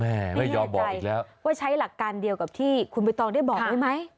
แม่ไม่ยอมบอกอีกแล้วไม่แท้ใจว่าใช้หลักการเดียวกับที่คุณผู้ชมได้บอกไว้ไหม